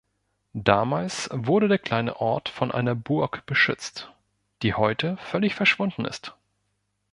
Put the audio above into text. Damals wurde der kleine Ort von einer Burg beschützt, die heute völlig verschwunden ist.